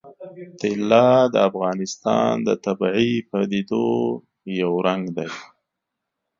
طلا د افغانستان د طبیعي پدیدو یو رنګ دی.